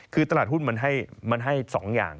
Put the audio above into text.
คือตลาดหุ้นมันให้๒อย่าง